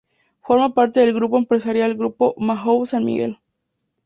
Forma parte del grupo empresarial Grupo Mahou-San Miguel.